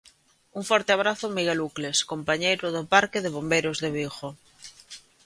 Un forte abrazo Miguel Ucles, compañeiro do parque de bombeiros de Vigo.